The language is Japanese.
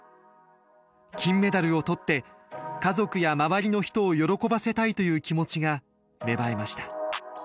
金メダルをとって家族や周りの人を喜ばせたいという気持ちが芽生えました。